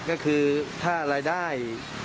ก็คือถ้ารายได้